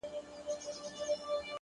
علم د انسان ذهن روښانه کوي!.